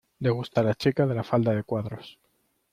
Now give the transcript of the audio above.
Le gusta la chica de la falda de cuadros.